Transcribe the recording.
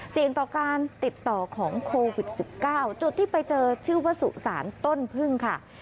ต่อการติดต่อของโควิด๑๙จุดที่ไปเจอชื่อว่าสุสานต้นพึ่งค่ะ